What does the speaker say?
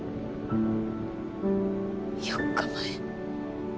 ４日前。